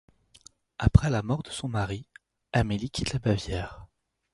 Après la mort de son mari, Amélie quitte la Bavière.